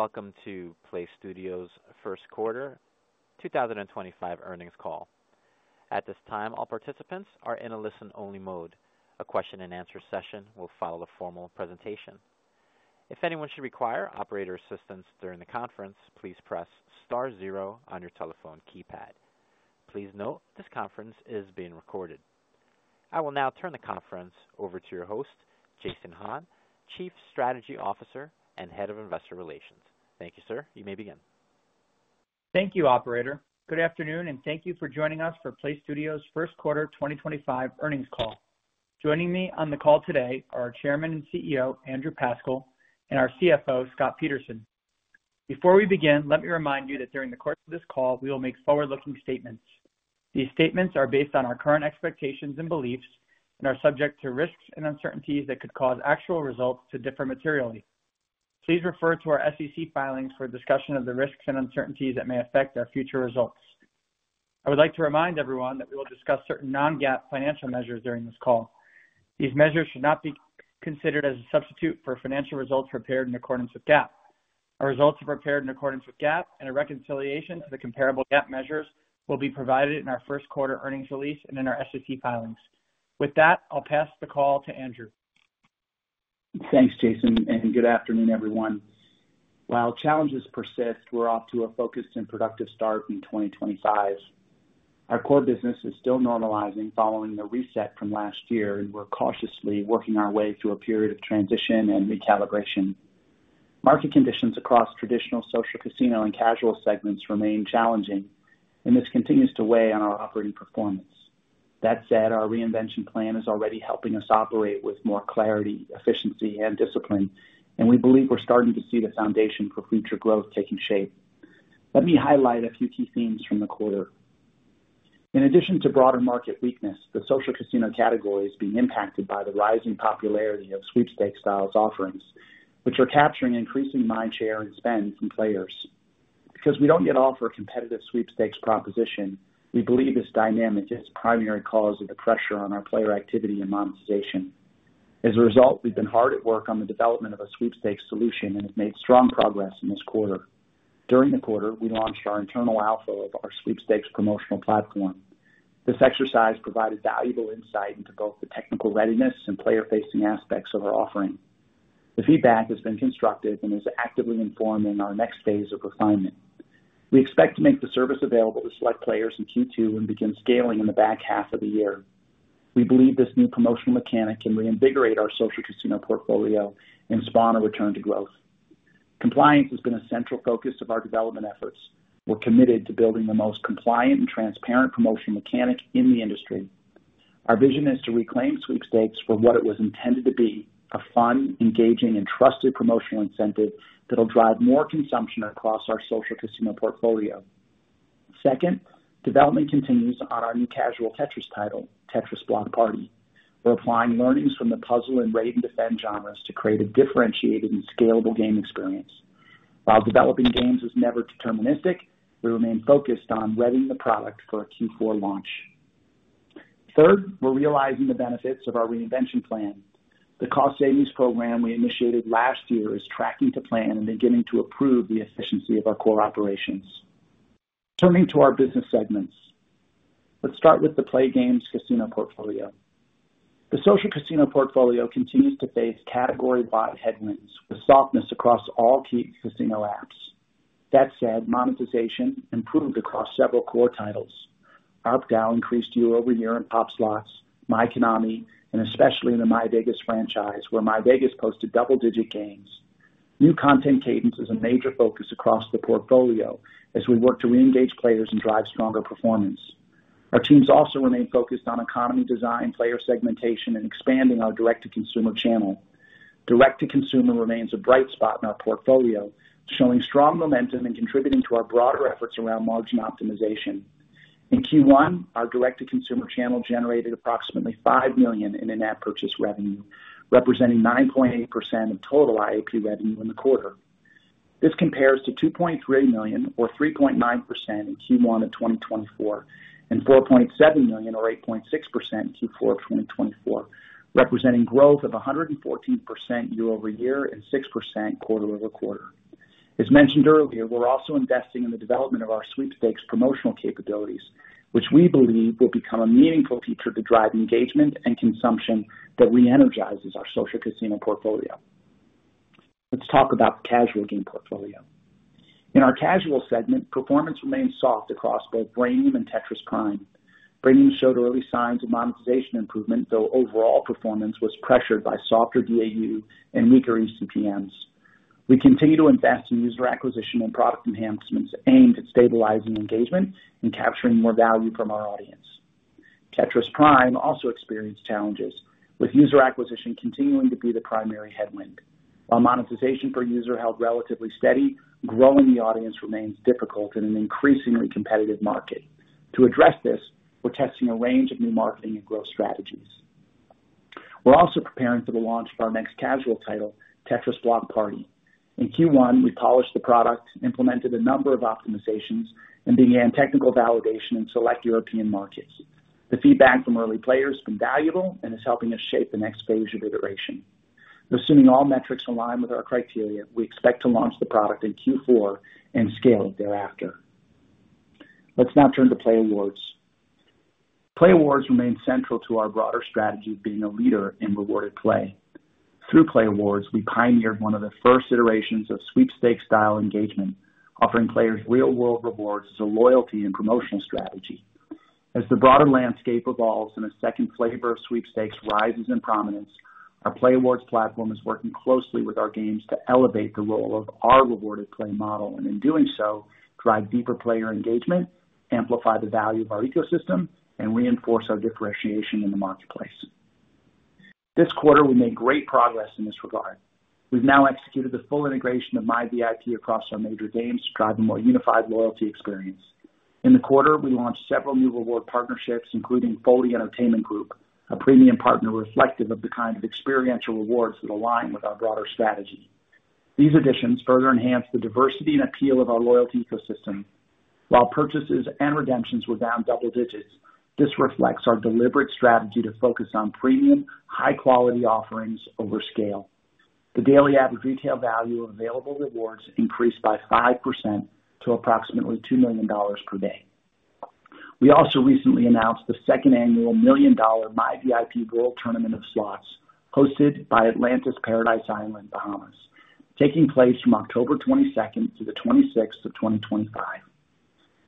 Welcome to PLAYSTUDIOS first quarter 2025 earnings call. At this time, all participants are in a listen-only mode. A question-and-answer session will follow the formal presentation. If anyone should require operator assistance during the conference, please press star zero on your telephone keypad. Please note this conference is being recorded. I will now turn the conference over to your host, Jason Hahn, Chief Strategy Officer and Head of Investor Relations. Thank you, sir. You may begin. Thank you, Operator. Good afternoon, and thank you for joining us for PLAYSTUDIOS first quarter 2025 earnings call. Joining me on the call today are our Chairman and CEO, Andrew Pascal, and our CFO, Scott Peterson. Before we begin, let me remind you that during the course of this call, we will make forward-looking statements. These statements are based on our current expectations and beliefs and are subject to risks and uncertainties that could cause actual results to differ materially. Please refer to our SEC filings for discussion of the risks and uncertainties that may affect our future results. I would like to remind everyone that we will discuss certain non-GAAP financial measures during this call. These measures should not be considered as a substitute for financial results prepared in accordance with GAAP. Our results are prepared in accordance with GAAP, and a reconciliation to the comparable GAAP measures will be provided in our first quarter earnings release and in our SEC filings. With that, I'll pass the call to Andrew. Thanks, Jason, and good afternoon, everyone. While challenges persist, we're off to a focused and productive start in 2025. Our core business is still normalizing following the reset from last year, and we're cautiously working our way through a period of transition and recalibration. Market conditions across traditional social casino and casual segments remain challenging, and this continues to weigh on our operating performance. That said, our reinvention plan is already helping us operate with more clarity, efficiency, and discipline, and we believe we're starting to see the foundation for future growth taking shape. Let me highlight a few key themes from the quarter. In addition to broader market weakness, the social casino category is being impacted by the rising popularity of sweepstakes-style offerings, which are capturing increasing mind share and spend from players. Because we don't yet offer a competitive sweepstakes proposition, we believe this dynamic is the primary cause of the pressure on our player activity and monetization. As a result, we've been hard at work on the development of a sweepstakes solution and have made strong progress in this quarter. During the quarter, we launched our internal alpha of our sweepstakes promotional platform. This exercise provided valuable insight into both the technical readiness and player-facing aspects of our offering. The feedback has been constructive and is actively informing our next phase of refinement. We expect to make the service available to select players in Q2 and begin scaling in the back half of the year. We believe this new promotional mechanic can reinvigorate our social casino portfolio and spawn a return to growth. Compliance has been a central focus of our development efforts. We're committed to building the most compliant and transparent promotional mechanic in the industry. Our vision is to reclaim sweepstakes for what it was intended to be: a fun, engaging, and trusted promotional incentive that will drive more consumption across our social casino portfolio. Second, development continues on our new casual Tetris title, Tetris Block Party. We're applying learnings from the puzzle and raid-and-defend genres to create a differentiated and scalable game experience. While developing games is never deterministic, we remain focused on readying the product for a Q4 launch. Third, we're realizing the benefits of our reinvention plan. The cost savings program we initiated last year is tracking to plan and beginning to improve the efficiency of our core operations. Turning to our business segments, let's start with the play games casino portfolio. The social casino portfolio continues to face category-wide headwinds with softness across all key casino apps. That said, monetization improved across several core titles. ARPDAU increased year-over-year in top slots, myKONAMI, and especially in the myVEGAS franchise, where myVEGAS posted double-digit gains. New content cadence is a major focus across the portfolio as we work to reengage players and drive stronger performance. Our teams also remain focused on economy design, player segmentation, and expanding our direct-to-consumer channel. Direct-to-consumer remains a bright spot in our portfolio, showing strong momentum and contributing to our broader efforts around margin optimization. In Q1, our direct-to-consumer channel generated approximately $5 million in in-app purchase revenue, representing 9.8% of total IAP revenue in the quarter. This compares to $2.3 million, or 3.9% in Q1 of 2023, and $4.7 million, or 8.6% in Q4 of 2023, representing growth of 114% year-over-year and 6% quarter over quarter. As mentioned earlier, we're also investing in the development of our sweepstakes promotional capabilities, which we believe will become a meaningful feature to drive engagement and consumption that reenergizes our social casino portfolio. Let's talk about the casual game portfolio. In our casual segment, performance remained soft across both Brainium and Tetris Prime. Brainium showed early signs of monetization improvement, though overall performance was pressured by softer DAU and weaker eCPMs. We continue to invest in user acquisition and product enhancements aimed at stabilizing engagement and capturing more value from our audience. Tetris Prime also experienced challenges, with user acquisition continuing to be the primary headwind. While monetization per user held relatively steady, growing the audience remains difficult in an increasingly competitive market. To address this, we're testing a range of new marketing and growth strategies. We're also preparing for the launch of our next casual title, Tetris Block Party. In Q1, we polished the product, implemented a number of optimizations, and began technical validation in select European markets. The feedback from early players has been valuable and is helping us shape the next phase of iteration. Assuming all metrics align with our criteria, we expect to launch the product in Q4 and scale it thereafter. Let's now turn to playAWARDS. playAWARDS remains central to our broader strategy of being a leader in rewarded play. Through playAWARDS, we pioneered one of the first iterations of sweepstakes-style engagement, offering players real-world rewards as a loyalty and promotional strategy. As the broader landscape evolves and a second flavor of sweepstakes rises in prominence, our playAWARDS platform is working closely with our games to elevate the role of our rewarded play model and, in doing so, drive deeper player engagement, amplify the value of our ecosystem, and reinforce our differentiation in the marketplace. This quarter, we made great progress in this regard. We've now executed the full integration of myVIP across our major games, driving a more unified loyalty experience. In the quarter, we launched several new reward partnerships, including Foley Entertainment Group, a premium partner reflective of the kind of experiential rewards that align with our broader strategy. These additions further enhance the diversity and appeal of our loyalty ecosystem. While purchases and redemptions were down double digits, this reflects our deliberate strategy to focus on premium, high-quality offerings over scale. The daily average retail value of available rewards increased by 5% to approximately $2 million per day. We also recently announced the second annual million-dollar myVIP World Tournament of slots, hosted by Atlantis Paradise Island, Bahamas, taking place from October 22nd to the 26th of 2025.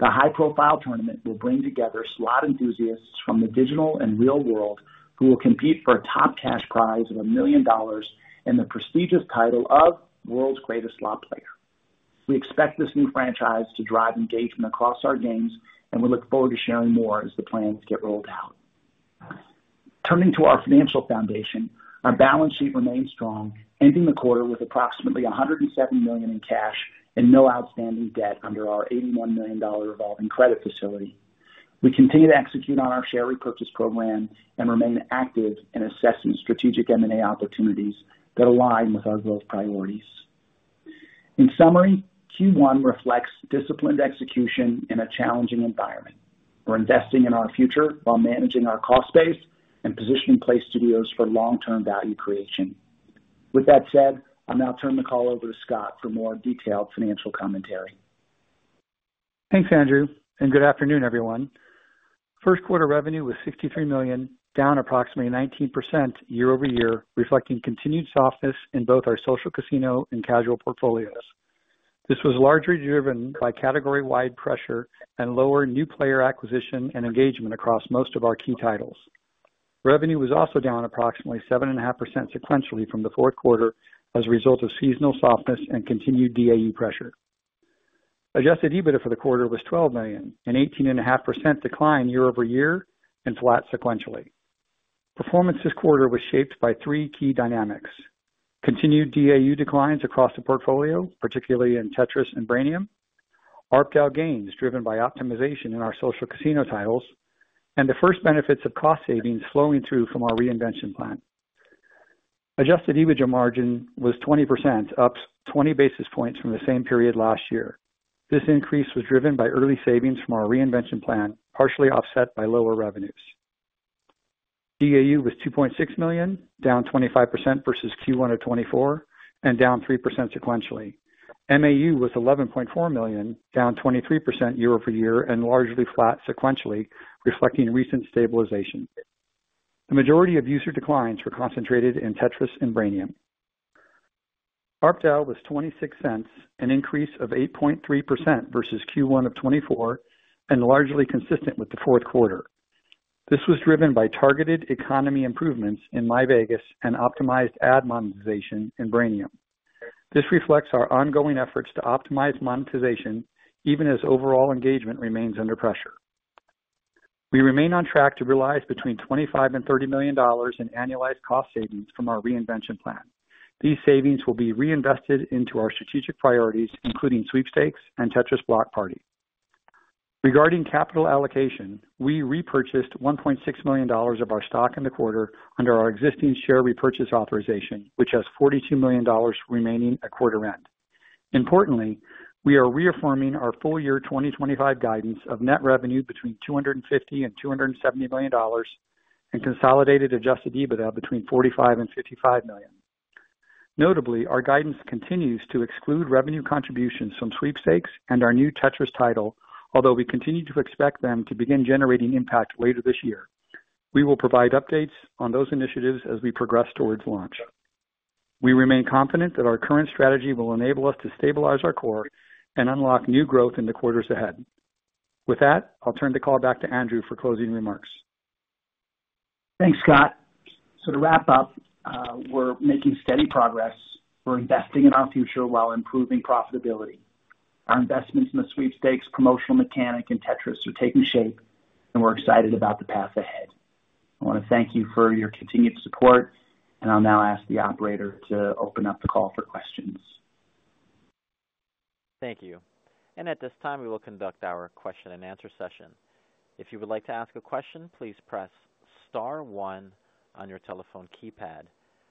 The high-profile tournament will bring together slot enthusiasts from the digital and real world who will compete for a top cash prize of $1 million and the prestigious title of World's Greatest Slot Player. We expect this new franchise to drive engagement across our games, and we look forward to sharing more as the plans get rolled out. Turning to our financial foundation, our balance sheet remains strong, ending the quarter with approximately $107 million in cash and no outstanding debt under our $81 million revolving credit facility. We continue to execute on our share repurchase program and remain active in assessing strategic M&A opportunities that align with our growth priorities. In summary, Q1 reflects disciplined execution in a challenging environment. We're investing in our future while managing our cost base and positioning PLAYSTUDIOS for long-term value creation. With that said, I'll now turn the call over to Scott for more detailed financial commentary. Thanks, Andrew, and good afternoon, everyone. First quarter revenue was $63 million, down approximately 19% year-over-year, reflecting continued softness in both our social casino and casual portfolios. This was largely driven by category-wide pressure and lower new player acquisition and engagement across most of our key titles. Revenue was also down approximately 7.5% sequentially from the fourth quarter as a result of seasonal softness and continued DAU pressure. Adjusted EBITDA for the quarter was $12 million, an 18.5% decline year-over-year, and flat sequentially. Performance this quarter was shaped by three key dynamics: continued DAU declines across the portfolio, particularly in Tetris and Brainium; ARPDAU gains driven by optimization in our social casino titles; and the first benefits of cost savings flowing through from our reinvention plan. Adjusted EBITDA margin was 20%, up 20 basis points from the same period last year. This increase was driven by early savings from our reinvention plan, partially offset by lower revenues. DAU was 2.6 million, down 25% versus Q1 of 2024, and down 3% sequentially. MAU was 11.4 million, down 23% year-over-year and largely flat sequentially, reflecting recent stabilization. The majority of user declines were concentrated in Tetris and Brainium. ARPDAU was $0.26, an increase of 8.3% versus Q1 of 2024, and largely consistent with the fourth quarter. This was driven by targeted economy improvements in myVEGAS and optimized ad monetization in Brainium. This reflects our ongoing efforts to optimize monetization, even as overall engagement remains under pressure. We remain on track to realize between $25 million and $30 million in annualized cost savings from our reinvention plan. These savings will be reinvested into our strategic priorities, including sweepstakes and Tetris Block Party. Regarding capital allocation, we repurchased $1.6 million of our stock in the quarter under our existing share repurchase authorization, which has $42 million remaining at quarter end. Importantly, we are reaffirming our full year 2025 guidance of net revenue between $250 million and $270 million and consolidated adjusted EBITDA between $45 million and $55 million. Notably, our guidance continues to exclude revenue contributions from sweepstakes and our new Tetris title, although we continue to expect them to begin generating impact later this year. We will provide updates on those initiatives as we progress towards launch. We remain confident that our current strategy will enable us to stabilize our core and unlock new growth in the quarters ahead. With that, I'll turn the call back to Andrew for closing remarks. Thanks, Scott. To wrap up, we're making steady progress. We're investing in our future while improving profitability. Our investments in the sweepstakes promotional mechanic and Tetris are taking shape, and we're excited about the path ahead. I want to thank you for your continued support, and I'll now ask the operator to open up the call for questions. Thank you. At this time, we will conduct our question-and-answer session. If you would like to ask a question, please press Star one on your telephone keypad.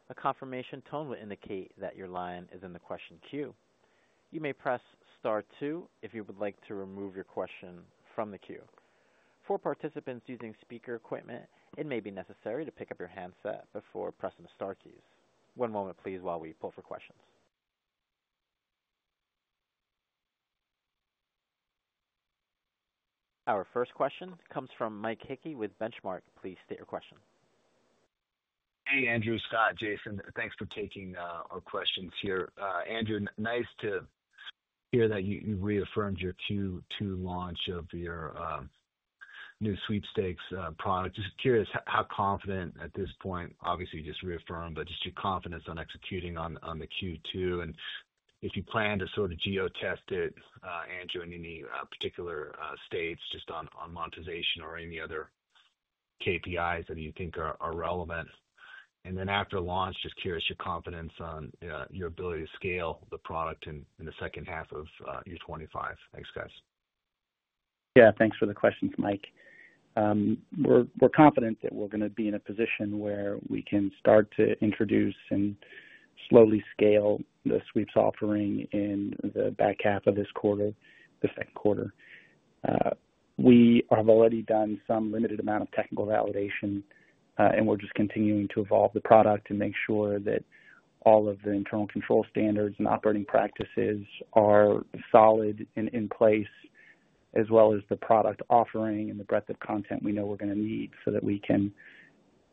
A confirmation tone will indicate that your line is in the question queue. You may press Star two if you would like to remove your question from the queue. For participants using speaker equipment, it may be necessary to pick up your handset before pressing the Star keys. One moment, please, while we pull for questions. Our first question comes from Mike Hickey with Benchmark. Please state your question. Hey, Andrew, Scott, Jason. Thanks for taking our questions here. Andrew, nice to hear that you've reaffirmed your Q2 launch of your new sweepstakes product. Just curious how confident at this point, obviously you just reaffirmed, but just your confidence on executing on the Q2. If you plan to sort of geotest it, Andrew, in any particular states, just on monetization or any other KPIs that you think are relevant. After launch, just curious your confidence on your ability to scale the product in the second half of year 2025. Thanks, guys. Yeah, thanks for the questions, Mike. We're confident that we're going to be in a position where we can start to introduce and slowly scale the sweeps offering in the back half of this quarter, the second quarter. We have already done some limited amount of technical validation, and we're just continuing to evolve the product and make sure that all of the internal control standards and operating practices are solid and in place, as well as the product offering and the breadth of content we know we're going to need so that we can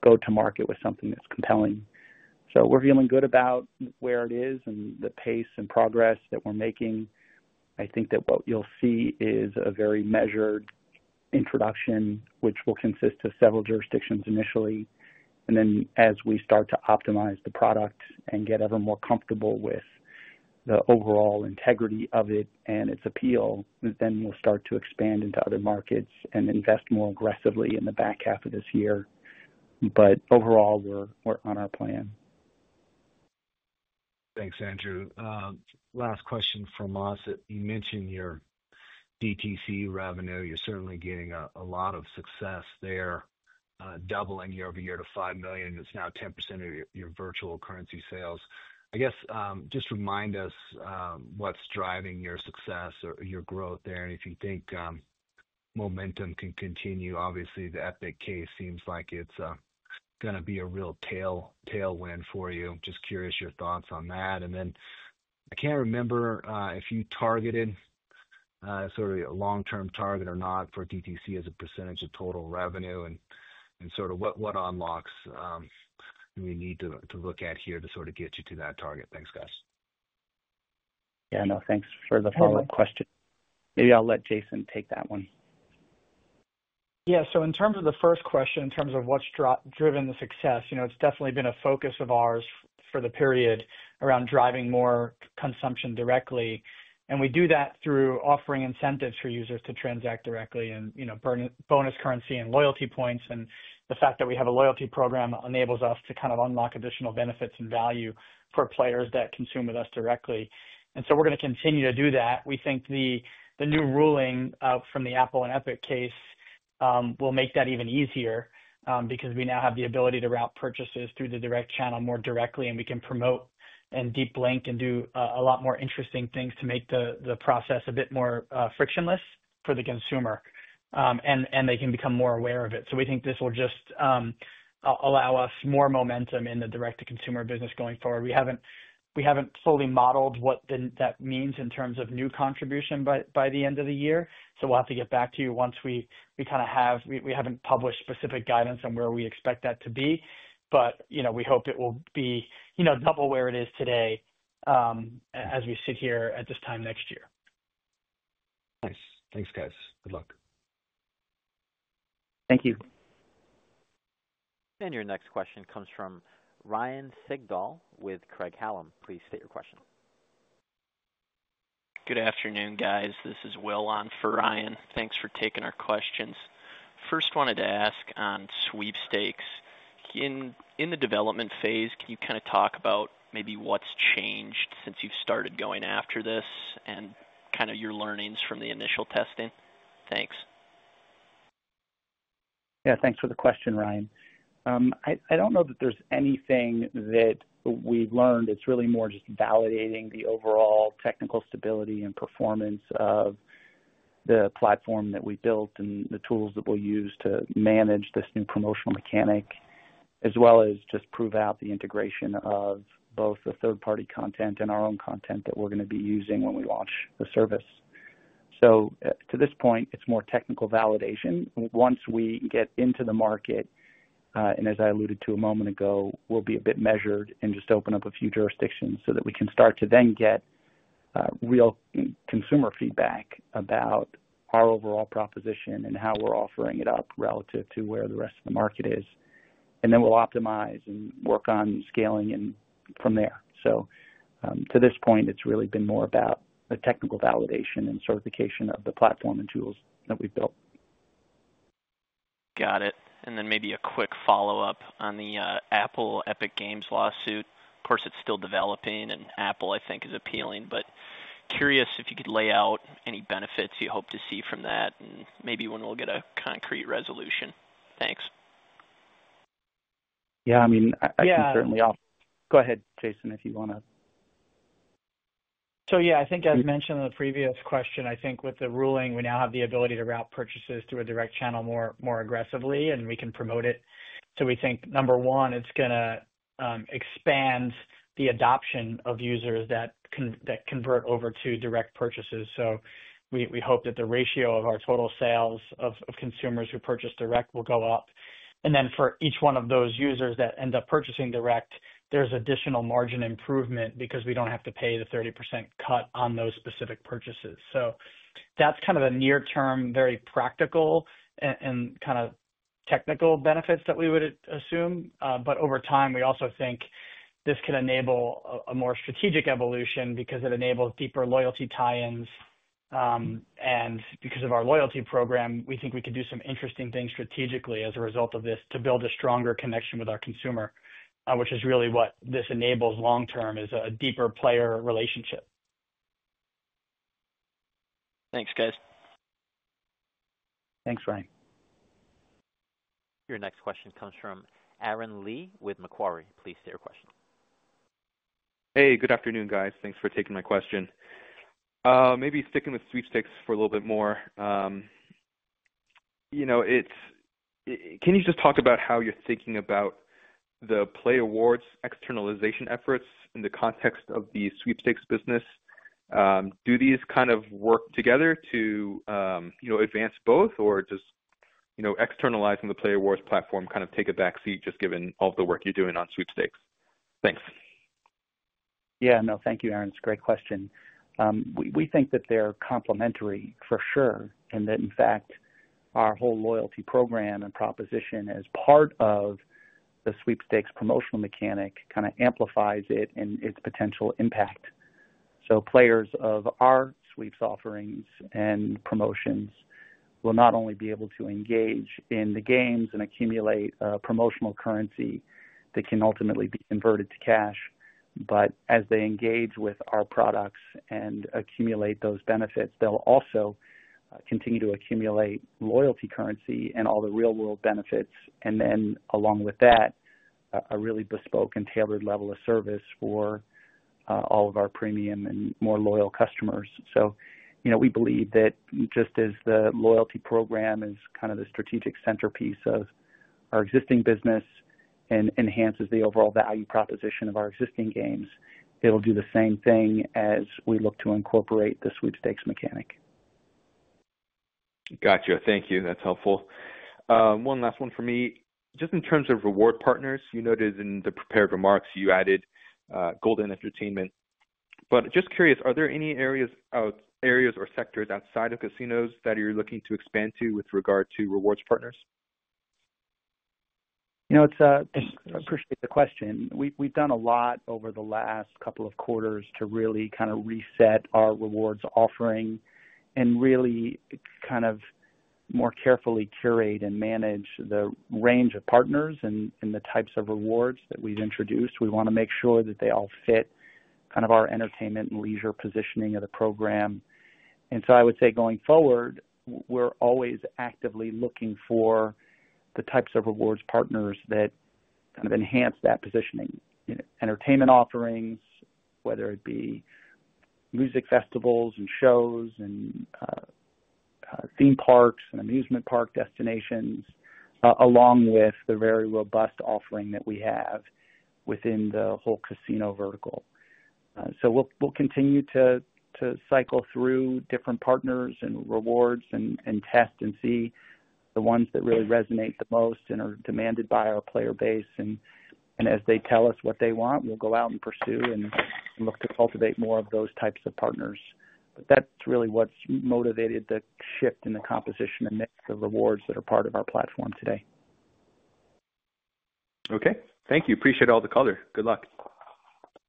go to market with something that's compelling. We're feeling good about where it is and the pace and progress that we're making. I think that what you'll see is a very measured introduction, which will consist of several jurisdictions initially. As we start to optimize the product and get ever more comfortable with the overall integrity of it and its appeal, then we'll start to expand into other markets and invest more aggressively in the back half of this year. Overall, we're on our plan. Thanks, Andrew. Last question from us. You mentioned your DTC revenue. You're certainly getting a lot of success there, doubling year-over-year to $5 million. It's now 10% of your virtual currency sales. I guess just remind us what's driving your success or your growth there. If you think momentum can continue, obviously the Epic case seems like it's going to be a real tailwind for you. Just curious your thoughts on that. I can't remember if you targeted sort of a long-term target or not for DTC as a percentage of total revenue and sort of what unlocks we need to look at here to sort of get you to that target. Thanks, guys. Yeah, no, thanks for the follow-up question. Maybe I'll let Jason take that one. Yeah, in terms of the first question, in terms of what's driven the success, it's definitely been a focus of ours for the period around driving more consumption directly. We do that through offering incentives for users to transact directly and bonus currency and loyalty points. The fact that we have a loyalty program enables us to kind of unlock additional benefits and value for players that consume with us directly. We are going to continue to do that. We think the new ruling from the Apple and Epic case will make that even easier because we now have the ability to route purchases through the direct channel more directly, and we can promote and deep link and do a lot more interesting things to make the process a bit more frictionless for the consumer, and they can become more aware of it. We think this will just allow us more momentum in the direct-to-consumer business going forward. We have not fully modeled what that means in terms of new contribution by the end of the year. We will have to get back to you once we kind of have—we have not published specific guidance on where we expect that to be, but we hope it will be double where it is today as we sit here at this time next year. Nice. Thanks, guys. Good luck. Thank you. Your next question comes from Ryan Sigdahl with Craig-Hallum. Please state your question. Good afternoon, guys. This is Will on for Ryan. Thanks for taking our questions. First, wanted to ask on sweepstakes. In the development phase, can you kind of talk about maybe what's changed since you've started going after this and kind of your learnings from the initial testing? Thanks. Yeah, thanks for the question, Ryan. I don't know that there's anything that we've learned. It's really more just validating the overall technical stability and performance of the platform that we built and the tools that we'll use to manage this new promotional mechanic, as well as just prove out the integration of both the third-party content and our own content that we're going to be using when we launch the service. To this point, it's more technical validation. Once we get into the market, and as I alluded to a moment ago, we'll be a bit measured and just open up a few jurisdictions so that we can start to then get real consumer feedback about our overall proposition and how we're offering it up relative to where the rest of the market is. Then we'll optimize and work on scaling from there. To this point, it's really been more about the technical validation and certification of the platform and tools that we've built. Got it. Maybe a quick follow-up on the Apple/Epic Games lawsuit. Of course, it's still developing, and Apple, I think, is appealing, but curious if you could lay out any benefits you hope to see from that and maybe when we'll get a concrete resolution. Thanks. Yeah, I mean, I can certainly—go ahead, Jason, if you want to. Yeah, I think as mentioned in the previous question, I think with the ruling, we now have the ability to route purchases through a direct channel more aggressively, and we can promote it. We think, number one, it's going to expand the adoption of users that convert over to direct purchases. We hope that the ratio of our total sales of consumers who purchase direct will go up. For each one of those users that end up purchasing direct, there's additional margin improvement because we do not have to pay the 30% cut on those specific purchases. That's kind of a near-term, very practical and kind of technical benefit that we would assume. Over time, we also think this can enable a more strategic evolution because it enables deeper loyalty tie-ins. Because of our loyalty program, we think we could do some interesting things strategically as a result of this to build a stronger connection with our consumer, which is really what this enables long-term is a deeper player relationship. Thanks, guys. Thanks, Ryan. Your next question comes from Aaron Lee with Macquarie. Please state your question. Hey, good afternoon, guys. Thanks for taking my question. Maybe sticking with sweepstakes for a little bit more. Can you just talk about how you're thinking about the playAWARDS externalization efforts in the context of the sweepstakes business? Do these kind of work together to advance both, or does externalizing the playAWARDS platform kind of take a backseat just given all the work you're doing on sweepstakes? Thanks. Yeah, no, thank you, Aaron. It's a great question. We think that they're complementary for sure, and that in fact, our whole loyalty program and proposition as part of the sweepstakes promotional mechanic kind of amplifies it and its potential impact. Players of our sweeps offerings and promotions will not only be able to engage in the games and accumulate promotional currency that can ultimately be converted to cash, but as they engage with our products and accumulate those benefits, they'll also continue to accumulate loyalty currency and all the real-world benefits, and then along with that, a really bespoke and tailored level of service for all of our premium and more loyal customers. We believe that just as the loyalty program is kind of the strategic centerpiece of our existing business and enhances the overall value proposition of our existing games, it'll do the same thing as we look to incorporate the sweepstakes mechanic. Gotcha. Thank you. That's helpful. One last one for me. Just in terms of reward partners, you noted in the prepared remarks you added Golden Entertainment. Just curious, are there any areas or sectors outside of casinos that you're looking to expand to with regard to rewards partners? I appreciate the question. We've done a lot over the last couple of quarters to really kind of reset our rewards offering and really kind of more carefully curate and manage the range of partners and the types of rewards that we've introduced. We want to make sure that they all fit kind of our entertainment and leisure positioning of the program. I would say going forward, we're always actively looking for the types of rewards partners that kind of enhance that positioning. Entertainment offerings, whether it be music festivals and shows and theme parks and amusement park destinations, along with the very robust offering that we have within the whole casino vertical. We'll continue to cycle through different partners and rewards and test and see the ones that really resonate the most and are demanded by our player base. As they tell us what they want, we'll go out and pursue and look to cultivate more of those types of partners. That is really what has motivated the shift in the composition and mix of rewards that are part of our platform today. Okay. Thank you. Appreciate all the color. Good luck.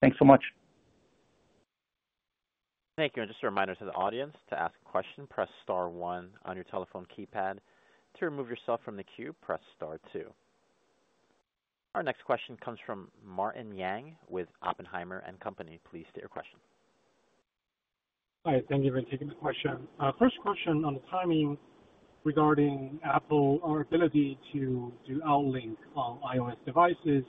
Thanks so much. Thank you. Just a reminder to the audience to ask a question, press Star 1 on your telephone keypad. To remove yourself from the queue, press Star two. Our next question comes from Martin Yang with Oppenheimer & Co. Please state your question. Hi. Thank you for taking the question. First question on the timing regarding Apple's ability to do Outlink on iOS devices.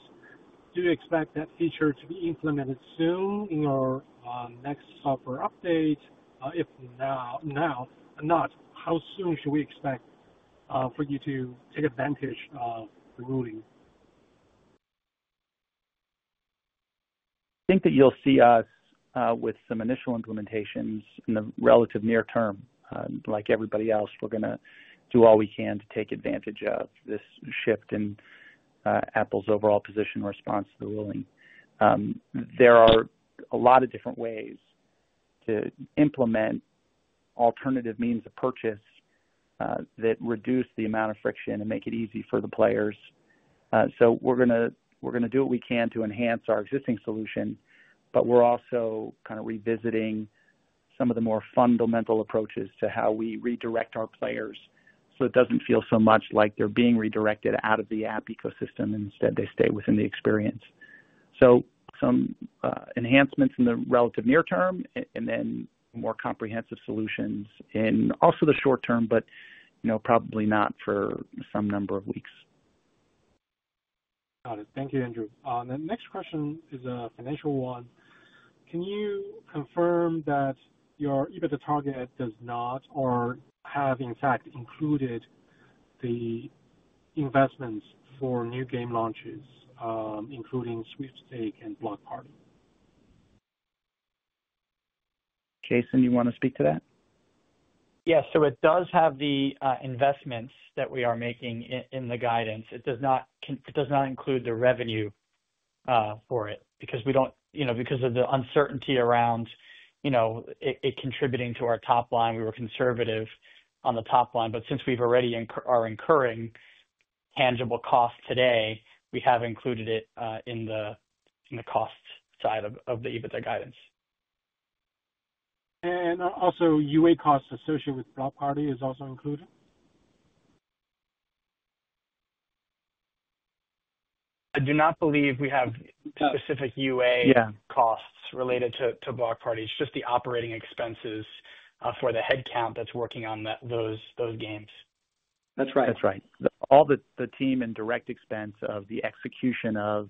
Do you expect that feature to be implemented soon in your next software update? If not, how soon should we expect for you to take advantage of the ruling? I think that you'll see us with some initial implementations in the relatively near term. Like everybody else, we're going to do all we can to take advantage of this shift in Apple's overall position and response to the ruling. There are a lot of different ways to implement alternative means of purchase that reduce the amount of friction and make it easy for the players. We're going to do what we can to enhance our existing solution, but we're also kind of revisiting some of the more fundamental approaches to how we redirect our players so it does not feel so much like they're being redirected out of the app ecosystem. Instead, they stay within the experience. Some enhancements in the relatively near term and then more comprehensive solutions in also the short term, but probably not for some number of weeks. Got it. Thank you, Andrew. The next question is a financial one. Can you confirm that your EBITDA target does not or has, in fact, included the investments for new game launches, including sweepstakes and Block Party? Jason, you want to speak to that? Yeah. It does have the investments that we are making in the guidance. It does not include the revenue for it because of the uncertainty around it contributing to our top line. We were conservative on the top line, but since we already are incurring tangible costs today, we have included it in the cost side of the EBITDA guidance. Are UA costs associated with Block Party also included? I do not believe we have specific UA costs related to Block Party. It's just the operating expenses for the headcount that's working on those games. That's right. That's right. All the team and direct expense of the execution of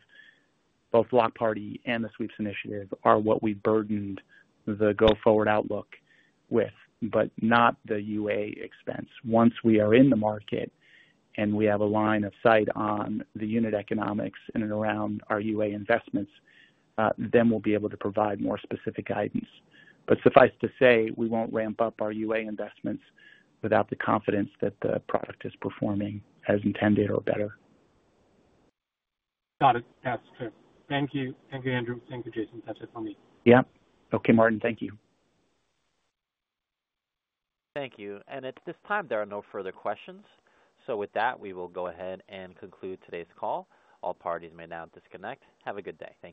both Block Party and the sweeps initiative are what we burdened the go-forward outlook with, but not the UA expense. Once we are in the market and we have a line of sight on the unit economics in and around our UA investments, then we'll be able to provide more specific guidance. Suffice to say, we won't ramp up our UA investments without the confidence that the product is performing as intended or better. Got it. That's true. Thank you. Thank you, Andrew. Thank you, Jason. That's it for me. Yep. Okay, Martin. Thank you. Thank you. At this time, there are no further questions. With that, we will go ahead and conclude today's call. All parties may now disconnect. Have a good day. Thank you.